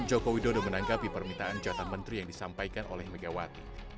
jokowi dodo menanggapi permintaan jatah menteri yang disampaikan oleh megawati